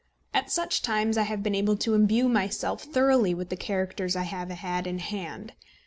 At such times I have been able to imbue myself thoroughly with the characters I have had in hand.